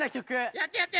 やってやって。